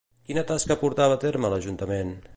Quina tasca portava a terme a l'Ajuntament?